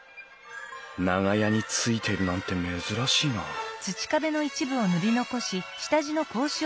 長屋についてるなんて珍しいなうん？